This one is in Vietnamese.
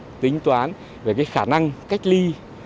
cân nhắc tính toán về khả năng cách ly